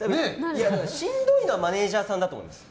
しんどいのはマネジャーさんだと思います。